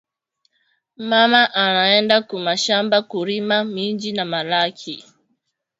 Mama ana enda ku mashamba ku rima minji na malaki